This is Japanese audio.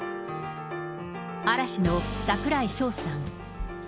嵐の櫻井翔さん。